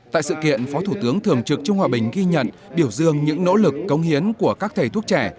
tại sự kiện phó thủ tướng thường trực trung hòa bình ghi nhận biểu dương những nỗ lực công hiến của các thầy thuốc trẻ